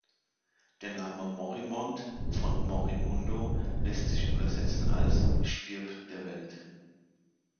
Der Name „Morimond“, von „mori mundo“, lässt sich übersetzen als: „Stirb der Welt“.